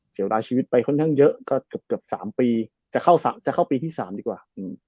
เสียวดานชีวิตไปค่อนข้างเยอะก็เกือบเกือบสามปีจะเข้าจะเข้าปีที่สามดีกว่าอืม